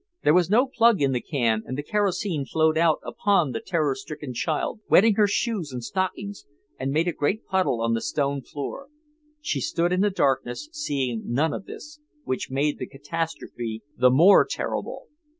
There was no plug in the can and the kerosene flowed out upon the terror stricken child, wetting her shoes and stockings, and made a great puddle on the stone floor. She stood in the darkness, seeing none of this, which made the catastrophe the more terrible.